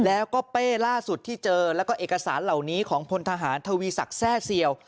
แล้วก็เป้ล่าสุดที่เจอแล้วก็เอกสารเหล่านี้ของพลทหารทวีศักดิ์แทร่เสี่ยว